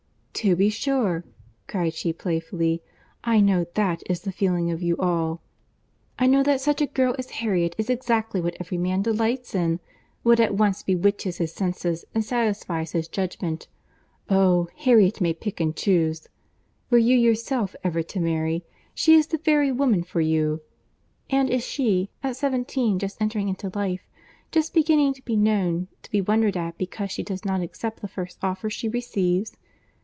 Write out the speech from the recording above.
"To be sure!" cried she playfully. "I know that is the feeling of you all. I know that such a girl as Harriet is exactly what every man delights in—what at once bewitches his senses and satisfies his judgment. Oh! Harriet may pick and chuse. Were you, yourself, ever to marry, she is the very woman for you. And is she, at seventeen, just entering into life, just beginning to be known, to be wondered at because she does not accept the first offer she receives?